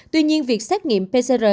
tuy nhiên việc xét nghiệm pcr